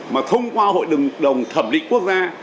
mà thông qua hội đồng thẩm định quốc gia